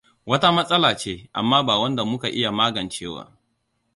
Wata matsala ce, amma ba wanda muka iya magancewa.